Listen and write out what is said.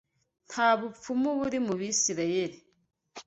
Nta bupfumu buri mu Bisirayeli: